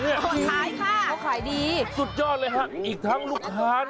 มันขายค่ะเธอขายดีสุดยอดเลยครับอีกทั้งลูกค้า